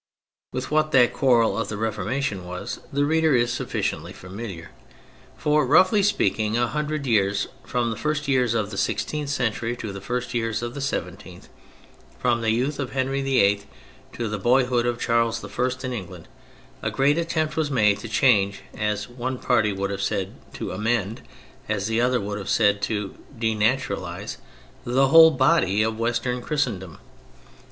With what that quarrel of the Reformation was, the reader is sufficiently familiar. For, roughly speaking, a hundred years, from the first years of the sixteenth century to the first years of the seventeenth (from the youth of Henry VIII to the boyhood of Charles I in England), a great attempt was made to change (as one party would have said to amend, as the other would have said to denaturalise) the whole body of Western Christendom.